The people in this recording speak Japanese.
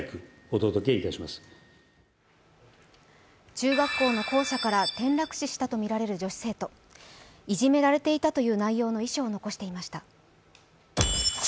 中学校の校舎から転落死したとみられる女子生徒、いじめられていたという内容の遺書を残していました。